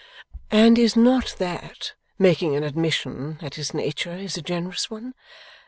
And is not that making an admission that his nature is a generous one?